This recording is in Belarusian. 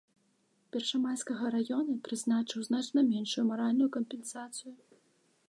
Першамайскага раёна прызначыў значна меншую маральную кампенсацыю.